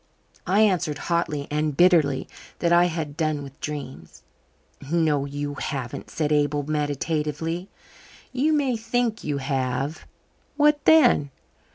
I answered hotly and bitterly that I had done with dreams. "No, you haven't," said Abel meditatively. "You may think you have. What then?